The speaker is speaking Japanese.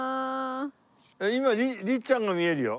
今律ちゃんが見えるよ。